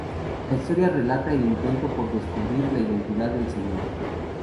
La historia relata el intento por descubrir la identidad del Sr.